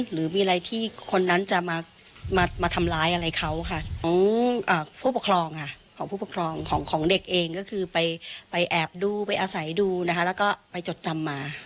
หรือมีอะไรที่คนนั้นจะมาทำร้ายอะไรเขาค่ะ